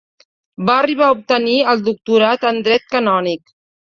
Va arribar a obtenir el doctorat en Dret Canònic.